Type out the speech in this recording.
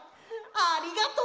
ありがとう！